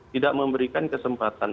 tidak memberikan kesempatan